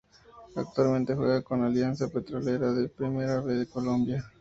Actualmente juega con Alianza Petrolera de la Primera B de Colombia.